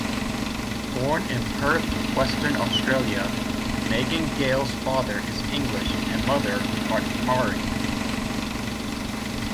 Born in Perth, Western Australia, Megan Gale's father is English and mother part Maori.